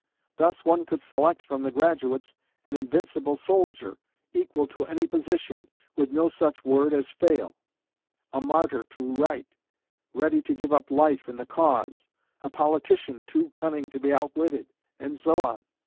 Thus, one could select from the graduates an invincible soldier, equal to any position, with no such word as fail; a martyr to right, ready to give up life in the cause; a politician too cunning to be outwitted; and so on.